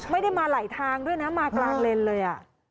ไม่ได้มาไหลทางด้วยนะมากลางเลนเลย